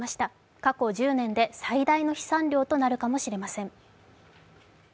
過去１０年で最大の飛散量となるかもしれません。